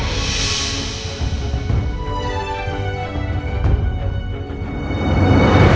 aku harus menggunakan jurus dagak puspa